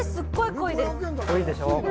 濃いでしょう